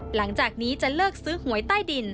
หลังจากนี้จะเลิกซื้อหวยใต้ดิน